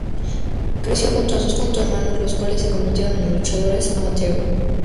Creció junto con sus tres hermanos, los cuales se convirtieron en luchadores "amateur".